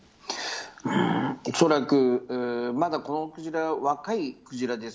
おそらく、まだこのクジラは若いクジラです。